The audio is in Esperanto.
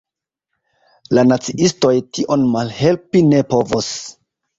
La naciistoj tion malhelpi ne povos.